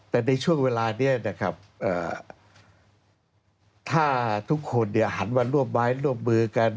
แต่ในช่วงเวลานี้ถ้าทุกคนหันมาร่วมร้ายร่วมมือกัน